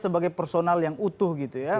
sebagai personal yang utuh gitu ya